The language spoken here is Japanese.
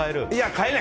変えない！